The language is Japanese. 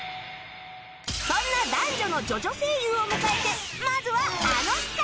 そんな男女のジョジョ声優を迎えてまずはあの企画！